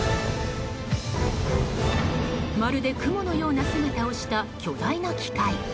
まるでクモのような姿をした巨大な機械。